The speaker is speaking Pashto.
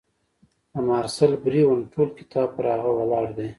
د مارسل بریون ټول کتاب پر هغه ولاړ دی.